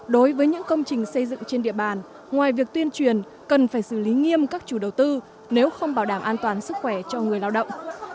đối với những công trình xây dựng trên địa bàn ngoài việc tuyên truyền cần phải xử lý nghiêm các chủ đầu tư nếu không bảo đảm an toàn sức khỏe cho người lao động